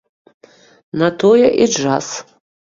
На тое і джаз!